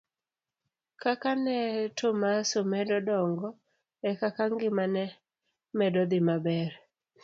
Kaka ne Tomaso medo dongo ekaka ngima ne medo dhi maber.